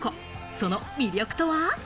その魅力とは？